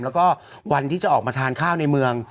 แล้วก็วันที่จะออกมาทานข้าวในเมือง